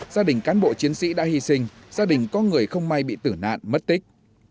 gia đình cán bộ chiến sĩ đã hy sinh gia đình có người không may bị tử nạn mất tích